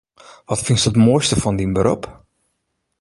Wat fynst it moaiste fan dyn berop?